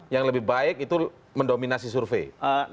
yang lebih baik itu mendominasi survei